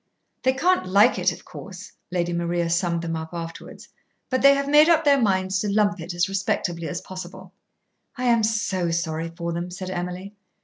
"They can't like it, of course," Lady Maria summed them up afterwards, "but they have made up their minds to lump it as respectably as possible." "I am so sorry for them," said Emily.